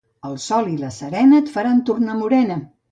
El sol i la serena et faran tornar morena.